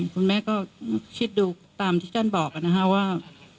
คุณแม่ก็คิดดูตามที่ท่านบอกนะฮะว่า